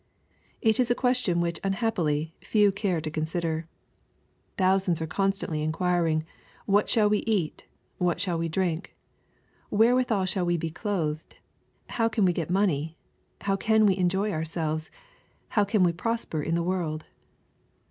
It is a question which unhappily few care to consider. Thousands are constanly inquiring, "What shall we / eat ? What shall we drink ? Wherewithal shall we be clothed ? How can we get money ? How can we enjoy ourselves ? How can we prosper in the world